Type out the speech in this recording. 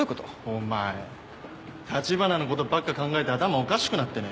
お前橘のことばっか考えて頭おかしくなってね？